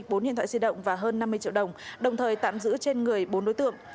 bốn điện thoại di động và hơn năm mươi triệu đồng đồng thời tạm giữ trên người bốn đối tượng